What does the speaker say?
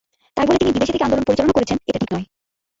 তাই বলে তিনি বিদেশে থেকে আন্দোলন পরিচালনা করেছেন, এটা ঠিক নয়।